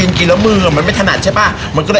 ลดกระดุ้งกระดุ้งกระดุ้งกร้อนไม้